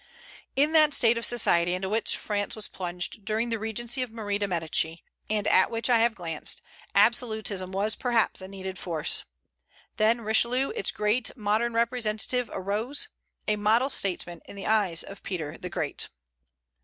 In that state of society into which France was plunged during the regency of Marie de Médicis, and at which I have glanced, absolutism was perhaps a needed force. Then Richelieu, its great modern representative, arose, a model statesman in the eyes of Peter the Great.